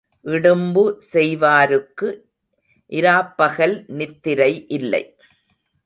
இடும்பு செய்வாருக்கு இராப்பகல் நித்திரை இல்லை.